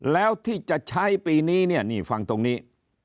แล้วที่จะใช้ปีนี้เนี่ยนี่ฟังตรงนี้